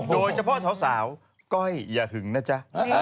โดยเฉพาะสาวก้อยอย่าหึงนะจ๊ะ